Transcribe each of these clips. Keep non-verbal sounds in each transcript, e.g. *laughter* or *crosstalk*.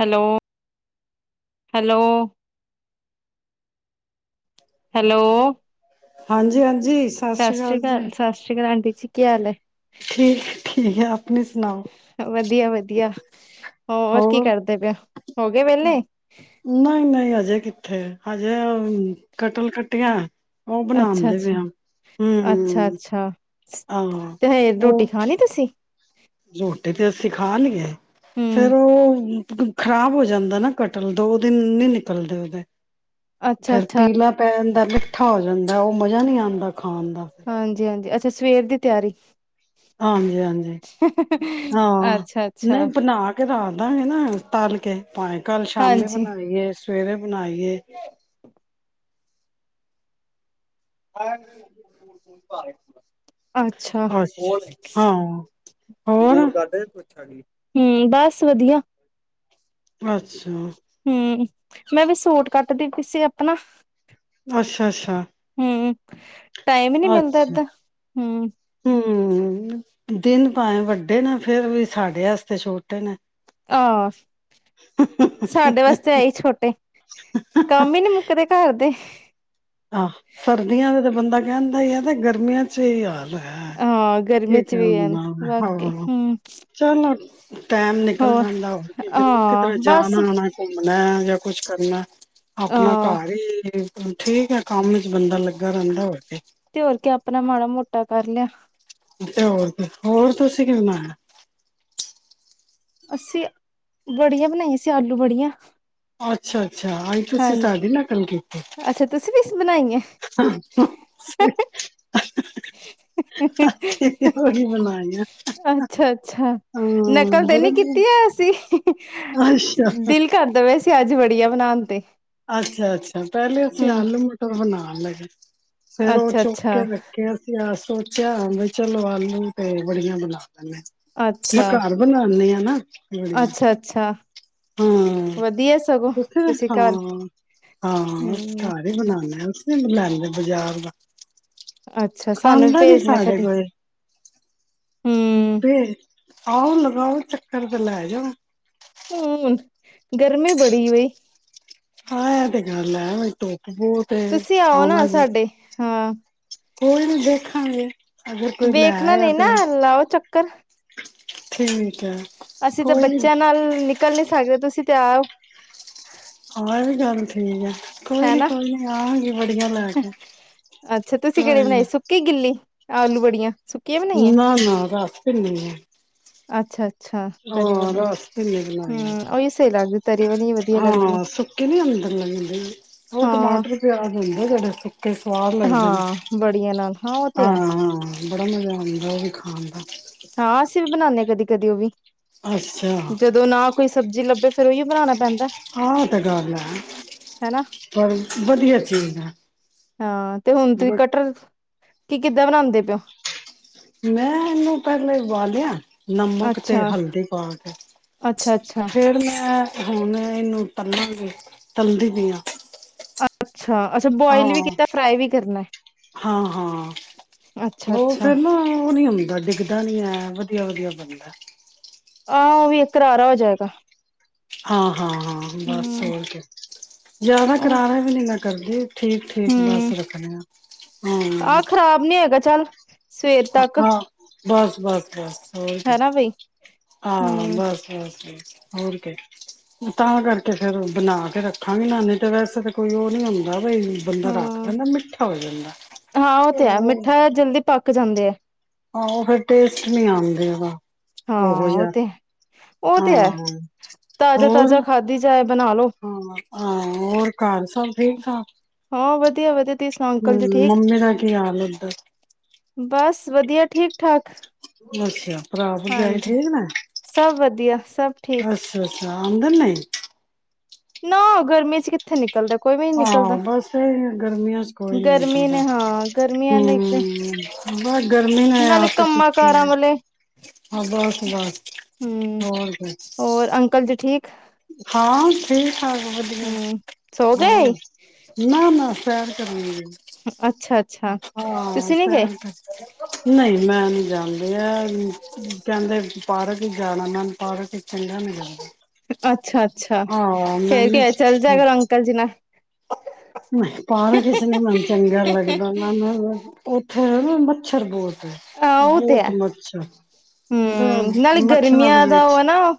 Hello hello, hello ਹਾਂਜੀ ਹਾਂਜੀ ਸਤਿ ਸ੍ਰੀ ਸਾਸਰੀ ਅਕਾਲ ਕਾਲ ਜੀ ਸਾਸਰੀ ਕਾਲ ਆਂਟੀ ਸੀ ਕੀ ਹਾਲ ਐ? ਠੀਕ ਠੀਕ ਹੈ, ਆਪਣੀ ਸੁਣਾਓ। ਹੈ ਵਧੀਆ ਵਧੀਆ ਹੋਰ ਕੀ ਕਰਦੇ ਪਏ ਔ ਹੋਗੇ ਬੇਲੇ ਥੇ ਹਜੇ ਕਟਲ ਕੱਟੀਆਂ ਉਹ ਅੱਛਾ ਬਣਾਉਂਦੇ ਪਏ ਅੱਛਾ। ਆ ਅੱਛਾ ਹਮ ਅੱਛਾ। ਆਹ ਤੇ ਹਏ ਰੋਟੀ ਉਹ ਖਾਣੀ ਤੁਸੀਂ? ਰੋਟੀ ਤੇ ਅਸੀਂ ਖਾ ਲਈ ਐ, ਹਮ ਫੇਰ ਉਹ ਖ਼ਰਾਬ ਹੋ ਜਾਂਦਾ ਨਾ ਕਟਲ ਦੋ ਦਿਨ ਨੀ ਨਿਕਲਦੇ ਉਹਦੇ। ਅੱਛਾ ਫੇਰ ਅੱਛਾ ਪੀਲਾ ਪੈਣ ਪਰ ਲਿੱਠਾ ਹੋ ਜਾਂਦਾ ਉਹ ਮਜ਼ਾ ਨਹੀਂ ਆਂਦਾ। ਹਾਂਜੀ ਹਾਂਜੀ। ਅ ਤੇ ਸਵੇਰ ਦੀ ਤਿਆਰੀ ਹਾਂਜੀ ਹਾਂਜੀ। ਹਾਂ। ਅੱਛਾ ਅੱਛਾ ਨਹੀਂ ਬਣਾ ਕੇ ਰਾ ਦਾਨੇ ਨਾ ਤਾਲ ਕੇ *unintelligible* ਭਾਵੇ ਕੱਲ ਸ਼ਾਮੀ ਹਾਂਜੀ ਬਣਾਈ ਏ ਸਵੇਰੇ ਬਣਾਈਏ *inaudible* *inaudible* ਅੱਛਾ ਹੋਰ ਅੱਛਾ ਹਾਂ ਹੋਰ *unintelligible* ਹੁੰ ਬਸ ਵਧੀਆ। ਅੱਛਾ, ਹੁੰ ਮੈਂ ਤੇ ਸੂਟ ਕੱਟਦੀ ਪਈ ਸੀ ਆਪਣਾ। ਅੱਛਾ ਅੱਛਾ। ਹੁੰ, ਟਾਈਮ ਨਹੀਂ ਮਿਲਦਾ ਇਦਾਂ ਹੁੰ, ਹੁੰ ਦਿਨ ਭਾਂਏ ਵੱਡੇ ਨੇ ਫਿਰ ਵੀ ਸਾਡੇ ਆਸਤੇ ਛੋਟੇ ਨੇ। ਆ, ਸਾਡੇ ਵਾਸਤੇ ਆਈ ਛੋਟੇ ਕੰਮ ਹੀ ਨਹੀਂ ਮੁੱਕਦੇ ਘਰ ਦੇ। ਆਹ ਸਰਦੀਆਂ ਤੇ ਬੰਦਾ ਕਹਿੰਦਾ ਈ ਆ ਕਿ ਗਰਮੀਆਂ ਚ ਐਹੀ ਹਾਲ। ਹੈ ਹਾਂ ਗਰਮੀਆਂ ਕੀ ਚ ਵੀ ਕਰਨਾ ਵਾਕੇ ਹਾਂ ਹੁੰ ਚਲੋ ਟਾਈਮ ਨਿਕਲ ਜਾਂਦਾ *inaudible* ਜ਼ਰੂਰ ਕਿਧਰੇ ਬਸ ਜਾਣਾ ਆਨਾ ਮੈਂ ਜਾ ਕੁਛ ਕਰਨਾ ਆਪਣਾ ਹਾਂ ਘਰ ਈ *inaudible* ਠੀਕ ਏ, ਕੰਮ ਇੱਚ ਬੰਦਾ ਲੱਗਾ ਰਹਿੰਦਾ ਹੋਰ ਕੀ। ਤੇ ਹੋਰ ਕਿ ਆਪਣਾ ਮਾੜਾ ਮੋਟਾ ਕਰ ਲਿਆ। ਤੇ ਹੋਰ ਕੀ ਹੋਰ ਤੁਸੀ ਕੀ ਬਣਾਇਆ? ਅਸੀਂ ਵੜੀਆ ਬਣਾਈ ਸੀ, ਆਲੂ ਵੜੀਆ। ਅੱਛਾ ਅੱਛਾ ਹੌਣ ਤੁਸੀਂ ਸਾਡੀ ਨਕਲ ਕੀਤੀ। ਬਣਾਈਏ। ਸਹੀ ਚ ਉਹੀ ਬਣਾਈਆਂ ਅੱਛਾ ਅੱਛਾ ਨਕਲ ਹਾਂ ਤੇ ਬੜਾ ਨੀ ਕੀਤੀ ਐ ਸੀ। ਅੱਛਾ ਦਿਲ ਕਰਦਾ ਪਿਆ ਸੀ। ਤੇ ਅੱਜ ਵੜੀ ਐ ਬਣਾਨ ਤੇ। ਅੱਛਾ ਅੱਛਾ ਪਹਿਲੇ ਅਸੀਂ ਹਮ ਆਲੂ ਮਟਰ ਬਣਾ ਅਮ ਫੇਰ ਉਹ ਅੱਛਾ ਚੁੱਕ ਅੱਛਾ ਕੇ ਵੇਖਿਆ ਅ ਸੋਚਿਆ ਬਈ ਚਲੋ ਆਲੂ ਤੇ ਬੜੀਆਂ ਬਣਾਲੌ। ਮੈਂ ਘਰ ਬਣਾਉਣੇ ਐ। ਹੈ ਨਾ, ਬੜੀਆਂ ਅੱਛਾ-ਅੱਛਾ ਹਾਂ ਵਧੀਆ ਸਗੋਂ ਤੁਸੀਂ ਕਰ ਹਾਂ ਘਰ ਹੀ ਬਣਾਣੈ। *unintelligible* ਨੀ ਲੈਂਦੇ ਬਾਜ਼ਾਰ ਦਾ ਅੱਛਾ ਸਾਨੂੰ ਵੀ ਖਾਂਦਾ ਨੀ ਭੇਜ ਨਾ ਸਾਡੇ ਕਦੀ। ਕੋਲ ਹੂੰ, *unintelligible* ਆਓ ਲਗਾਓ ਚੱਕਰ ਤੇ ਲੈਜੋ। ਏਏ ਗਰਮੀ ਬੜੀ ਵੇ। ਹਾਂ ਐ ਇਹ ਤੇ ਗੱਲ ਹੈ। *unintelligible* ਹੈ ਤੁਸੀਂ ਆਓ ਨਾ ਆਉਣਾ ਜੀ ਸਾਡੇ ਹਾਂ। ਕੋਈ ਨੀ ਦੇਖਾਂਗੇ। ਅਗਰ ਕੋਈ ਲੈ ਵੇਖਣਾ ਆਇਆ ਨਹੀਂ ਨਾ ਤੇ ਲਾਓ ਚੱਕਰ। ਠੀਕ। ਹੈ ਅਸੀਂ ਤਾਂ ਕੋਈ ਨੀ ਬੱਚਿਆਂ ਨਾਲ ਨਿਕਲ ਨੀ ਸਕਦੇ ਤੁਸੀਂ ਤੇ ਆਓ। ਹਾਂ ਏ ਵੀ ਗੱਲ ਠੀਕ ਏ। ਹੈ ਨਾ *inaudible* ਕੇ ਤੁਸੀ ਅੱਛਾ ਕਿਹੜੀ ਕੋਈ ਬਣਾਈ ਸੁੱਕੀ ਗਿਲੀ? ਆਲੂ ਵੜੀਆ। ਨਾ -ਨਾ ਰਸਭਿੰਨੀ ਏ। ਅੱਛਾ ਹਾਂ, ਰਸ ਭਿੰਨੀ ਬਣਾਈ ਏ, ਹੂੰ ਉਹੀ ਸਹੀ ਲੱਗਦੀ ਤਰੀ ਵਾਲੀ ਵਧੀਆ ਲੱਗਦੀ ਹਾਂ ਸੁੱਕੀ ਨੀ ਅੰਦਰ ਲੰਘਦੀ ਉਹ ਟਮਾਟਰ ਹਾਂ-ਹਾਂ ਪਿਆਜ਼ ਹੁੰਦ *unintelligible* ਤੇ ਸਵਾਦ ਲੱਗਦੇ ਨੇ ਬੜੀਆਂ ਨਾਲ ਹਾਂ ਉਹ ਤੇ ਆਂ *inaudible* ਹੈ ਹਾਂ ਬੜਾ ਮਜਾ ਆਂਦੈ ਵੇਖ ਆਂਦੈ। ਹਾਂ ਸੀਂ ਵੀ ਬਣਾਣੇ ਕਦੀ ਕਦੀ ਉਹ ਵੀ ਅੱਛਾ *inaudible* ਜਦੋਂ ਨਾ ਕੋਈ ਸਬਜ਼ੀ ਲੱਭ ਤੇ ਫਿਰ ਉਹੀਓ ਬਣਾਣਾ ਪੈਂਦ ਆਹ ਤੇ ਗਲ ਹੈ। ਹੈਨਾ *inaudible* ਪਰ ਵਧੀਆ ਚੀਜ਼ ਹੈ ਹਾਂ ਤੇ ਹੁਣ ਤੁਸੀ ਬਟ ਕਟਰ ਕੀ ਕਿੱਦਾਂ ਬਣਾਉਂਦੇ ਪਿਓ? ਮੈਂ ਇਹਨੂੰ ਪਹਿਲੇ ਉਬਾਲਿਐ। ਨਮਕ ਤੇ ਅੱਛਾ, ਹਲਦੀ ਪਾ ਕੇ। ਅੱਛਾ-ਅੱਛਾ, ਫਿਰ ਮੈਂ ਹੁਣ ਇਹਨੂੰ ਤਲਾਂਗੇ *inaudible* ਤਲਦੀ ਪਈਆਂ । ਅੱਛਾ, ਅੱਛਾ ਅੱਛਾ ਬੋਇਲ ਵੀ ਹਾਂ, ਕੀਤਾ ਫਰਾਈ ਵੀ ਕਰਨਾ ਹਾਂ, ਹਾਂ ਐ। ਉਹ ਅੱਛਾ-ਅੱਛਾ, ਫਿਰ ਨਾ ਉਹ ਨੀ ਹੁੰਦਾ ਡਿਗ ਏਦਾਂ ਨੀ ਐ, ਵਧੀਆ ਵਧੀਆ ਬਨਦਾ ਐ। ਆ, ਉਹ ਵੀ ਇੱਕ ਕਰਰਾ ਹੋ ਜਾਏਗਾ। ਹਾਂ। ਹਾਂ, ਹਾਂ ਬੱਸ ਹੂੰ, ਹੋਰ ਕੇ। ਜਿਆਦਾ ਉਹ ਕਰਾਰਾ ਵੀ ਨੀ ਮੈਂ ਕਰਦੇ। ਠੀਕ ਠੀਕ ਬੱਸ ਹੂੰ, ਰੱਖਣੇ ਆ। ਆਹ ਖ਼ਰਾਬ ਨੀ ਹੈਗਾ ਚੱਲ ਸਵੇਰ ਤੱਕ। ਬੱਸ, ਬੱਸ, ਬੱਸ। ਹੋਰਕੇ ਹੈਨਾ ਬਈ ਹਾਂ, ਹੂੰ, ਬੱਸ-ਬੱਸ ਬੱਸ। ਹੋਰ ਕੇ। ਤਾਂ ਕਰਕੇ ਫੇਰ ਬਨਾ ਫਿਰ ਰੱਖਾਂ ਵੀ ਨਾ ਨੇ ਤੇ ਵੈਸੇ ਤਾਂ ਕੋਈ ਉਹ ਨਹੀਂ ਹੁੰਦਾ। ਬਈ ਬੰਦਾ ਰੱਖ ਹਾਂ, ਦਿੰਦਾ ਮਿੱਠਾ ਹੋ ਜਾਂਦਾ ਹਾਂ ਉਹ ਤੇ ਹੈ ਹੋ। ਮਿੱਠਾ ਜਲਦੀ ਪੱਕ ਜਾਂਦੇ ਆ ਆਹੋ ਫਿਰ ਟੇਸਟ ਨਹੀਂ ਆਂਦੇ ਉਹਦਾ। ਉਹੋ ਹਾਂ ਉਹ ਜਿਹਾ ਤੇ ਹ, ਉਹ ਹਾਂ ਤੇ ਹੈ, ਹੋਰ ਤਾਜ਼ਾ-ਤਾਜ਼ਾ ਖਾਧੀ ਜਾਏ। ਬਣਾ ਲੋ ਹਾਂ, ਹਾਂ ਹੋਰ ਘਰ ਸਬ ਠੀਕ ਠਾਕ। ਹਾਂ ਵਧੀਆ, ਵਧੀਆ। ਹੂੰ, ਮੰਮੀ ਦਾ ਕੀ ਹਾਲ ਓਧਰ? ਬੱਸ ਵਧੀਆ, ਠੀਕ ਠਾਕ। ਅੱਛਾ, ਭਰਾ-ਭਰਜਾਈ ਠੀਕ ਨੇ, ਸਭ ਵਧੀਆ ਸਭ ਠੀਕ ਅੱਛਾ ਅੱਛ ਆਂਦਾ ਨਹੀਂ। ਨਾ ਗਰਮੀ ਚ ਕਿਥੇ ਨਿਕ ਹਾਂ ਬੱਸ ਏਈਓ ਗਰਮੀਆਂ ਚ ਕੋਈ ਨੀ ਗਰਮੀ ਨਿਕਲਦਾ, ਨੇ ਹਾਂ ਗਰਮੀਆਂ ਨੇ ਇੱਕ ਹੂੰ। ਬੱਸ ਗਰਮੀ ਨੇ ਨਾਲੇ ਅੱਤ ਕੰਮਾਂ ਚੁਕੀ ਏ ਕਾਰਾਂ ਵਾਲੇ ਹਾਂ ਬੱਸ ਬੱਸ ਹੂੰ ਹੋਰ ਕੇ। ਹੋਰ ਅੰਕਲ ਜੀ ਠੀਕ ਹਾਂ ਠੀਕ। ਸਬ ਵਧੀਆ ਹੂੰ ਸੋ ਹੋਰ। ਗਏ ਨਾ ਨਾ ਸੈਰ ਕਰਨ ਨਹੀਂ ਗਈ, ਅੱਛਾ ਅੱਛਾ ਹਾਂ ਤੁਸੀਂ ਨੀ ਗਏ ਸੈਰ ਕਰ ਨਹੀਂ ਮੈਂ ਨੀ ਜਾਂਦੀ ਐ ਕਹਿੰਦੇ ਪਾਰਕ ਜਾਣਾ ਨਾਲ ਪਾਰਕ ਚ ਚੰਗਾ ਨਹੀ ਲੱਗਦਾ। ਅੱਛਾ। ਅੱਛਾ ਆਹ ਫੇਰ ਮੈਨੂੰ ਕਿ ਹੋਇਆ, ਚੱਲ ਜਾਇਆ ਕਰੋ ਨਹੀਂ ਅੰਕਲ ਜੀ ਨਾਲ। ਪਾਰਕ ਇਸ ਨੀ ਮੈਨੂੰ ਚੰਗਾ ਲੱਗਦਾ। ਨਾ, ਨਾ, ਨਾ, ਮੈਨੂੰ ਉੱਥੇ ਮੱਛਰ ਬੋਤ। ਬੋਤ ਮੱਛਰ ਮਤਲਬ ਹੁੰ, ਨਾਲੇ ਮੱਛਰਾਂ ਗਰਮੀਆਂ ਦੇ ਦਾ ਉਹ ਵਿੱਚ ਏ ਨਾ ਉਹ,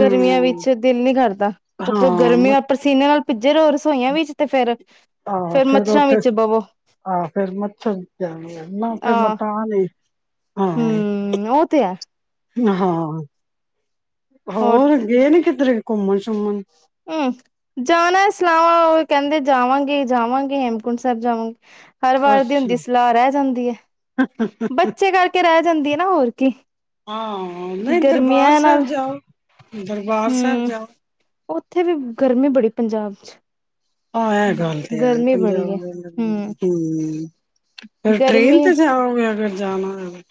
ਗਰਮੀਆਂ ਵਿੱਚ ਦਿਲ ਨੀ ਕਰਦਾ। ਉੱਪਰੋਂ ਹਾਂ ਮ ਗਰਮੀਆਂ ਪਸੀਨੇ ਨਾਲ ਭਿੱਜੇ ਰਹੋ ਰਸੋਈਆਂ ਵਿੱਚ ਤੇ ਫੇਰ ਆਹੋ ਫੇਰ ਮੱਛਰਾਂ ਉੱਥੇ ਵਿੱਚ ਬਵੋ ਆਹ ਫੇਰ ਮੱਛਰ ਜਾ ਨਾ ਫੇਰ ਮੈ ਆਹ ਤਾ ਗਈ। ਹਾਂ। ਹੂੰ ਉਹ ਤੇ ਹੈ *unintelligible* *inaudible* ਹਾਂ ਹੋਰ ਗਏ ਨੀ ਕਿਧਰੇ। ਘੁੰਮਣ ਸ਼ੁਮਣ। *unintelligible* ਜਾਨਾ ਏ। ਸਲਾਵਾਂ ਉਹ ਕਹਿੰਦੇ ਜਾਵਾਂਗੇ, ਜਾਵਾਂਗੇ ਹੇਮਕੁੰਟ ਸਾਹਿਬ ਜਾਵਾਂਗੇ। ਹਰ ਵਾਰ ਦੀ ਹੁੰਦੀ ਅੱਛਾ ਸਲਾਹ, ਰਹਿ ਜਾਂਦੀ ਏ। ਬੱਚੇ ਕਰਕੇ ਰਹਿ ਜਾਂਦੀ ਏ। ਨਾ ਹੋਰ ਕੀ। ਹਾਂ। ਨਹੀਂ ਦਰਬਾਰ ਗਰਮੀਆਂ ਨਾਲ, ਸਾਹਿਬ ਜਾਓ ਦਰਬਾਰ ਸਾਹਿਬ ਹੁੰ, ਜਾਓ ਉੱਥੇ ਵੀ ਗਰਮੀ ਬੜੀ ਪੰਜਾਬ ਚ। ਆਹ ਇਹ ਗੱਲ ਤੇ ਏ ਗਰਮੀ ਬੜੀ ਪੰਜਾਬ *unintelligible* ਹੈ ਹਮ ਹੁੰ, ਫੇਰ ਟ੍ਰੇਨ ਗਰਮੀ ਤੇ ਜਾਓਗੇ ਅਗਰ ਜਾਨਾ ਏ।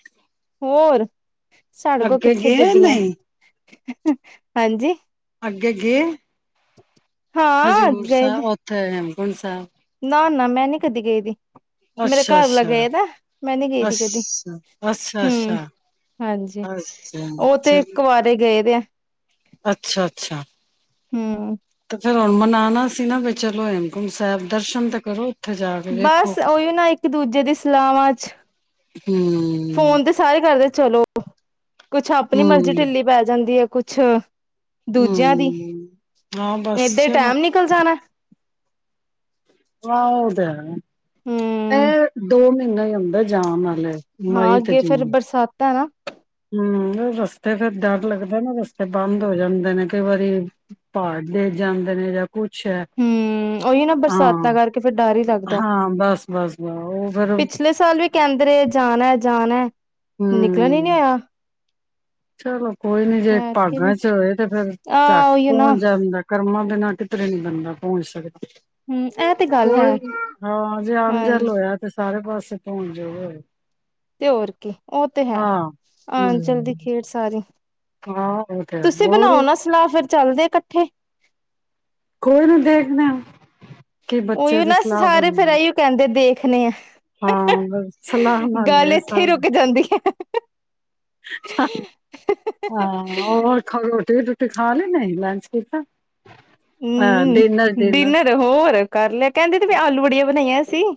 ਹੋਰ। ਸਾਡੇ ਕੋਲ ਅੱਗੇ ਕਿੱਥੇ ਗਏ ਗੱਡੀਆਂ ਨਹੀਂ। *inaudible* ਹਾਂਜੀ ਅੱਗੇ ਗਏ। ਹਾਂ ਹਜ਼ੂਰ ਗਏ ਸਾਹਿਬ ਨੇ ਉੱਥੇ ਹੇਮ। ਕੁੰਟ ਸਾਹਿਬ। ਨਾ, ਨਾ ਮੈਂ ਨੀ ਕਦੀ ਗਈਦੀ। ਮੇਰੇ ਅੱਛਾ ਘਰ ਵਾਲਾ ਅੱਛਾ ਗਏ ਦਾਏ। ਮੈਂ ਨੀ ਗਈ ਦੀ ਕਦੀ। ਅੱਛਾ ਅੱਛਾ ਅੱਛਾ ਹੁੰ, ਅੱਛਾ ਹਾਂਜੀ ਉਹ ਤੇ ਚਲੋ ਕੁਆਰੇ ਗਏ ਦੇ ਏ। ਅੱਛਾ, ਅੱਛਾ। ਹਮ ਤੇ ਫੇਰ ਹੁਣ ਮਨਾਨਾ ਸੀ ਨਾ ਚਲੋ ਹੇਮਕੁੰਮਠ ਸਾਹਿਬ ਦਰਸ਼ਨ ਤਾਂ ਕਰੋ। ਉੱਥੇ ਜਾ ਕੇ ਵੇਖੋ ਬਸ ਓਈਯੋ ਨਾ ਇੱਕ ਦੂਜੇ ਦੀ ਸਲਾਹਵਾਂ ਚ ਹਮ ਫੋਨ ਤੇ ਸਾਰੇ ਕਰਦੇ ਚਲੋ ਕੁਛ ਆਪਣੀ ਮਰਜ਼ੀ ਹਮ ਢਿੱਲੀ ਪੈ ਜਾਂਦੀ ਹੈ। ਕੁਛ ਦੂਜਿਆਂ ਦੀ, ਹਮ ਹਾਂ ਬਸ ਏਧੇ ਚਲੋ ਟਾਈਮ ਨਿਕਲ ਜਾਣਾ। ਹਾਂ ਔ ਤੇ ਹੈ। ਹਮ ਇਹ ਦੋ ਮ ਇੰਨਾ ਈ ਹੁੰਦਾ ਜਾਮ ਨਾਲੇ। ਹਾਂ ਅੱਗੇ ਫੇਿਰ ਬਰਸਾਤਾਂ ਨਾ ਹੂ, ਰਸਤੇ ਫਿਰ ਡਰ ਲੱਗਦਾ ਨਾ ਰਸਤੇ ਬੰਦ ਹੋ ਜਾਂਦੇ ਨੇ, ਕਈ ਵਾਰੀ ਪਹਾੜ ਡਿਗ ਜਾਂਦੇ ਨੇ ਜਾਂ ਕੁਛ ਹੈ ਹੂੰ, ਔਈ ਨਾ ਬਰਸਾਤਾਂ ਹਾਂ ਕਰਕੇ ਫਿਰ ਡਰ ਵੀ ਲੱਗਦੈ। ਹਾਂ ਬਸ ਬਸ ਬ ਉਹ ਫੇਰ ਪਿਛਲੇ ਸਾਲ ਵੀ ਕਹਿੰਦੇ ਰਹੇ ਜਾਣੈ, ਜਾਣੈ। ਨਿਕਲਣ ਹੀ ਨਹੀਂ ਹਮ ਹੋਇਆ। ਚਲੋ ਕੋਈ ਨੀ ਜੇ ਐਤਕੀ ਭਾਗਾਂ ਵੀ ਚ ਹੋਏ, ਤੇ ਫੇਰ ਝੱਟ ਆਹ ਉਹੀ ਨਾ ਜਾਂਦਾ, ਕਰਮਾ ਦੇ ਨਾ ਕਿਧਰੇ ਨੀ ਬੰਦਾ ਪਹੁੰਚ ਸਕਦ ਹਮ ਇਹ ਤੇ ਗੱਲ ਕੋਈ ਹੈ ਨੀ। ਹਾਂ ਜੇ ਅੰਨ ਜਲ ਹਾਂਜੀ ਹੋਇਆ ਤੇ ਸਾਰੇ ਬਸ ਪਹੁੰਚ ਜਾ ਤੇ ਹੋਰ ਕੀ ਉਹ ਤੇ ਹੈ ਹਮ ਆਂਚਲ ਦੀ ਖੇਡ ਸਾਰੀ। ਹਾਂ ਉਹ ਤੇ ਹੋਰ ਚਲਦੇ ਇਕੱਠੇ ਕੋਈ ਨੂੰ ਦੇਖਦੇ ਕਿ ਬੱਚੇ ਔਈਔ ਦੀ ਨਾ ਸਲਾਹ ਸਾਰੇ ਫਿਰ ਬਣਦੀ ਐਈਔ ਕਹਿੰਦੇ ਦੇਖ ਰੱਖਖਣ ਆ *inaudible* ਹਾਂ ਬਸ ਸਲਾਹ ਨਾਲ ਹੀ ਗੱਲ ਹੈ ਇੱਥੇ ਸਬ, ਰੁਕ ਜਾਂਦੀ ਹੈ। ਹਾਂ ਖਾਓ ਰੋਟੀ ਰੂਟੀ। ਤੂਈ ਖਾ ਲੇ ਨੇ ਲੰਚ ਫਿਰ ਤਾਂ। ਹੂੰ, ਡਿਨਰ ਹੋਰ ਕਰ ਲਿਆ। ਕਹਿੰਦੇ ਤੇ ਫਿਰ ਆਲੂ ਵੜੀਆਂ ਬਣਾਈਐਂ ਅਸ ਹੰ।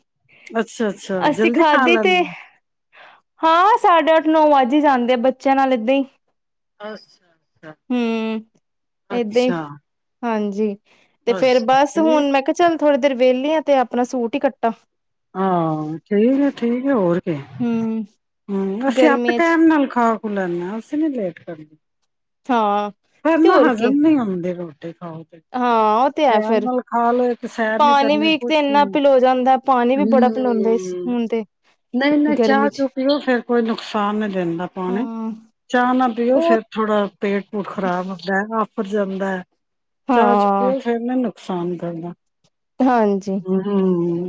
ਅੱਛਾ ਅੱਛਾ ਅਸੀ ਜਲਦੀ ਖਾ ਖਾਧੀ ਤੇ ਲੈਂਦੇ ਹਾਂ ਸਾਢੇ ਅੱਠ-ਨੌ ਵੱਜ ਜਾਂਦੇ ਆ ਬੱਚਿਆਂ ਨਾਲ ਇਏਦਾਂ ਹੀ ਅੱਸ, ਹੂੰ ਏਦਾਂ ਹੀ ਅੱਛਾ। ਹਾਂਜੀ। ਤੇ ਫੇਰ ਅੱਛਾ ਬਸ ਠੀਕ ਹੁਣ ਮੈਂ ਕਿਹਾ ਚੱਲ ਥੋੜ੍ਹੀ ਦੇਰ ਵਿਹਲੀ ਆ ਤੇ ਆਪਣਾ ਸੂਟ ਹੀ ਕੱਟਾ ਹਾਂ ਠੀਕ ਹੈ ਠੀਕ ਹੈ ਹੋਰ ਹੂੰ। ਅਸੀਂ ਆਪੇ ਗਰਮੀਆਂ ਚ ਟੈਮ ਨਾਲ ਖਾਓ ਨਾ-ਨਾ ਅਸੀ ਨਈ ਲੇਟ ਕਰ ਹਾਂ ਪਰ ਤੇ ਨਾ ਹੋਰ ਕੀ ਹਜ਼ਮ ਨੀ ਹੁੰਦੇ ਰੋ ਹਾਂ ਉਹ ਤੇ ਹੈ ਟੈਮ ਫੇਰ ਨਾਲ ਖਾ ਲੇ ਤੇ ਸੈਰ ਨੀ ਪਾਣੀ ਵੀ ਕਰਨੀ, ਇੱਕ ਕੁਛ ਤੇ ਇੰਨਾ ਨਈ। ਪਿਲੋ ਜਾਂਦਾ ਪਾਣੀ ਵੀ ਬੜਾ ਪਿਲਾਉਂਦਾ ਇਸ ਹਮ ਹੁਣ ਤੇ ਨਹੀਂ ਨਹੀਂ ਚਾਹ ਚ ਪੀਓ ਫੇਰ ਕੋਈ ਨੁਕਸਾਨ ਨੀ ਦਿੰਦਾ ਪਾਣੀ ਹਾਂ ਚਾਹ ਨਾ ਪੀਓ ਉਹ ਫੇਰ ਥੋੜਾ ਪੇਟ ਪੂਟ ਖ਼ਰਾਬ ਹੁੰਦਾ ਹੈ ਉੱਠ ਜਾਂਦਾ ਹੈ। ਚਾਰ ਹਾਂ ਛੁੱਟੀਆਂ ਏ ਫਿਰ ਮੈਨੂੰ। ਸਾਨ ਕਰਦਾ। ਹਮ ਹੁੰ,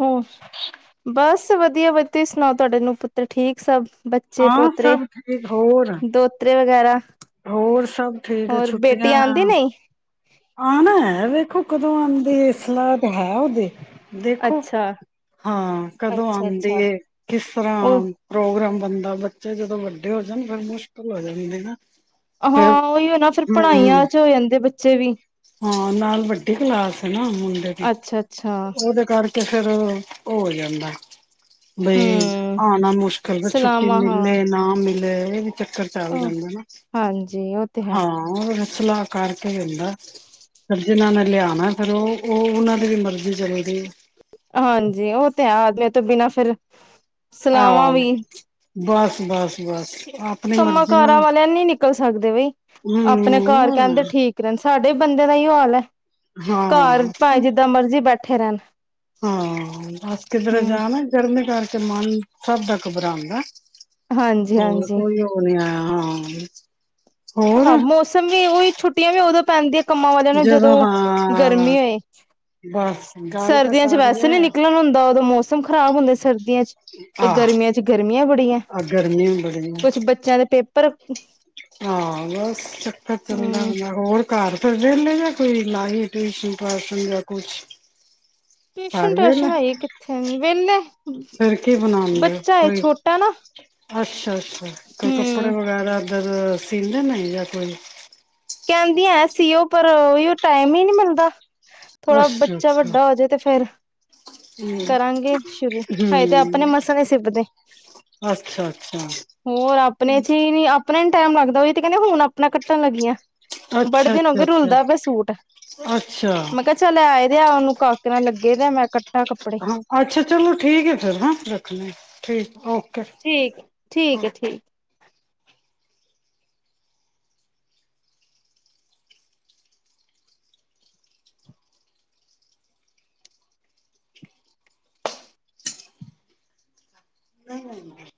ਹੂੰ, ਬਸ ਵਧੀਆ। ਤੇ ਵਧੀ ਤੁਸੀਂ ਸੁਣਾਓ ਤੁਹਾਡੇ ਨੂੰਹ ਪੁੱਤਰ ਠੀਕ ਸਭ। ਬੱਚੇ ਹਾਂ ਪੋਤਰੇ, ਸਭ ਠੀਕ ਹੋਰ। ਦੋਤਰੇ ਵਗੈਰਾ। ਹੋਰ ਸਭ ਠੀਕ ਹੋਰ ਛੁਟੀਆਂ ਬੇਟੀ ਆਉਂਦੀ ਨਹੀਂ ਆਣਾ ਹੈ ਵੇ। ਦੇਖੋ ਕਦੋ ਆਂਦੇ ਐ ਸਲਾ ਤੇ ਹੈ, ਉਦੀ ਦੇਖੋ, ਅੱਛਾ ਹਾਂ ਕਦੋ ਅੱਛਾ ਅੱਛਾ ਆਉਂਦੇ ਕਿਸ ਤਰ੍ਹਾਂ ਉਹ ਆਉ‌ ਪ੍ਰੋਗਰਾਮ। ਬੰਦਾ ਬੱਚੇ ਜਦੋਂ ਵੱ ਵੱਡੇ ਹੋ ਜਾਣ ਫੇਰ ਮੁਸ਼ਕਿਲ ਹੋ ਜਾਂਦੀ। ਨਾ ਫਿਰ ਹਾਂ ਉਈਓ ਨਾ ਫਿਰ ਹਮ ਪੜਾਈਆਂ ਚ ਹੋ ਜਾਂਦੇ ਬੱਚੇ ਵੀ। ਹਾਂ ਨਾਲ ਵੱਡੀ ਕਲਾਸ ਹੇਨਾ। ਮੁੰਡੇ ਦੀ ਅੱਛਾ ਅੱਛਾ ਉਦੇ ਕਰਕੇ ਫਿਰ ਔ ਉਹ ਹੋ ਜਾਦਾ। ਬਈ ਹਮ ਆਣਾ ਮੁਸ਼ਕਿਲ ਛੁੱਟੀ ਸਲਾਮਾ ਹਾਂ ਮਿਲੇ ਨਾ ਮਿ *unintelligible* ਚਕਰ ਚੱਲ ਉਹ ਜਾਂਦਾ ਨਾ ਹਾਂਜੀ ਉਹ ਤੇ ਹੈ ਹਾਂ ਉ ਸਲਾਹ ਕਰਕੇ ਹੀ ਹੁੰਦਾ। ਫਿਰ ਜਿਨਾਂ ਨੇ ਲਿਆਣਾ ਫਿਰ ਉਹ ਉਨਾਂ ਦੀ ਵੀ ਮਰਜ਼ੀ ਚਲੇਗੀ। ਵਿਆਹ ਤੋ ਬਿਨਾਂ ਫਿਰ, ਆਹ ਸਲਾਵਾ ਵੀ। ਬਸ ਬਸ। ਆਪਣੀ ਕੰਮਾਂ ਮਰਜ਼ੀ ਕਾਰਾਂ ਨਾਲ ਵਾਲੇ ਨਹੀਂ ਨਿਕਲ ਸਕਦੇ ਬਈ ਆਪਣੇ ਘਰ ਕਹਿੰਦੇ ਹੂੰ, ਠੀਕ ਰਹਿ ਸਾਡੇ ਬੰਦੇ ਦਾ ਏਹੀੳ ਹਾਲ ਐ। ਹਾਂ, ਘਰ ਭਾਏ ਜਿਦਾਂ ਮਰਜ਼ੀ ਬੈ ਕੱਠੇ ਰਹਿਣ। ਹਾਂ ਅਸ ਕਿਧਰੇ ਹਮ ਜਾਣਾ ਗਰਮੀ ਕਰਕੇ। ਤੇ ਮਨ ਸਭ ਦਾ ਕਬਰਾਂਦਾ। ਹਾਂਜੀ ਹੋਰ ਹਾਂਜੀ ਕੋਈ ਔ ਨੀ ਆਇਆ ਹਾਂ। *unintelligible* ਆਹ ਮੋਸਮ ਵੀ ਉਹੀ ਛੁੱਟੀਆਂ ਵੀ ਉਦੋ। ਪੈਂਦੀਆਂ ਤ ਕੰਮਾਂ ਵਾਲੇਆ ਜਦੋਂ ਗਰਮੀਆਂ ਹੋਏ, ਬਸ ਗੱਲ ਤਾਂ ਸਰਦੀਆਂ ਚ ਸਾਰੀ ਐ ਵੇਸੇ ਨਹੀਂ ਨਿਕਲਨ ਹੁੰਦਾ ਉਦੋਂ ਮੋਸਮ ਖ਼ਰਾਬ ਹੁੰਦੇ ਸਰਦੀਆਂ ਚ ਤੇ ਆਹ ਗਰਮੀਆਂ ਚ ਗਰਮੀਆਂ ਬੜੀ ਆ *unintelligible* ਗਰਮੀ ਬੜੀ ਐ। ਕੁਛ ਬੱਚਿਆ ਦੇ ਪੇਪਰ ਹਾਂ ਬਸ ਕਬ ਤਕ ਚਲਨਾ ਹਮ ਜੇ ਹੋਰ ਘਰ ਤੁਰ ਜਾਦੇ *unintelligible* ਟਿਊਸ਼ਨ ਟਾਸ਼ਨ ਹਜੇ ਕਿੱਥੇ ਵਿਹਲੇ ਫਿਰ ਕੀ ਬਣਾਂਦੇ ਓ ਬੱਚਾ ਏ ਕੋਈ ਛੋਟਾ ਨਾ ਅੱਛਾ ਅੱਛਾ ਕੋਈ ਕੱਪੜੇ ਹਮ ਵਗੈਰਾ। ਫਿਰ ਸਿਲਦੇ ਮਿਲ ਜਾਤੇ ਕਹਿੰਦੀਆਂ ਸੀ ਪਰ ਉਹੀ ਟਾਈਮ ਈ ਨੀ ਮਿਲ਼ਦਾ। ਥੋੜਾ ਅੱਛਾ ਬੱਚਾ ਅੱਛਾ ਵੱਡਾ ਹੋਜੇ ਤੇ ਫਿਰ ਹੂੰ ਕਰਾਗੇ ਸ਼ੁਰੂ। ਹਜੇ ਤੇ ਹੂੰ ਅਪਣੇ ਮਸਲੇ ਪਏ ਸਿਬਦੇ ਅੱਛਾ ਅੱਛਾ ਹੋਰ ਆਪਣੇ ਚੀ ਹੀ ਨੀ ਆਪਣੇ ਟਾਈਮ ਲਗਦਾ ਓਹੀ ਤੇ ਕਹਿਣੀ ਹੁਣ ਆ ਮੈਂ ਕੱਟਣ ਲੱਗੀ ਆ ਬੜੇ ਅੱਛਾ ਦਿਨ ਹੋਗੇ ਅੱਛਾ ਰੁਲਦਾ ਅੱਛਾ ਪਿਆ ਸੂਟ ਅੱਛਾ ਮੈਂ ਕਿਹਾ ਚਲ ਆ *unintelligible* ਮੈਂ ਕੱਟਾ ਅੱਛਾ ਚੱਲੋ ਠੀਕ ਐ ਫਿਰ ਹੈ, ਰੱਖਲੋ ਠੀਕ ਔਕੇ ਠੀਕ ਠੀਕ ਔਕੇ। ਹੈ ਠੀਕ ਨਹੀਂ ਨਹੀਂ,